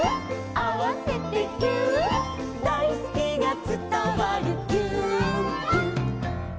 「あわせてぎゅーっ」「だいすきがつたわるぎゅーっぎゅ」